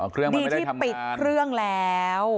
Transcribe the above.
อ๋อเครื่องมันไม่ได้ทำงานดีที่ปิดเครื่องแล้ว